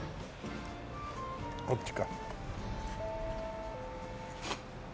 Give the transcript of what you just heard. こっちか。